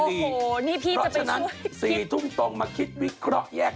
นี่พี่จะไปช่วยเพราะฉะนั้นสี่ทุ่มต่อมาคิดวิเคราะห์แยก